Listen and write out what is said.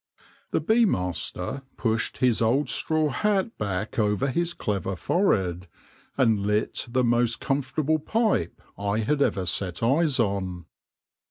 Tfe bee master pushed his old straw hat back over hit clever forehead, and lit the most com fortable pipe I had ever set eyes on.